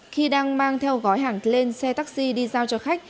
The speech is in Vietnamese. khi đang mang theo gói hàng c lên xe taxi đi giao cho khách